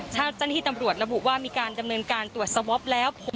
เจ้าหน้าที่ตำรวจระบุว่ามีการดำเนินการตรวจสวอปแล้ว